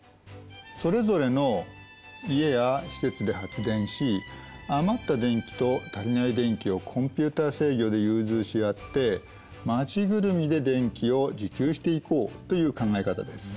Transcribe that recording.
それぞれの家や施設で発電し余った電気と足りない電気をコンピューター制御で融通し合って町ぐるみで電気を自給していこうという考え方です。